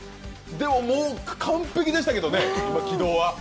でも、完璧でしたけどね、軌道は。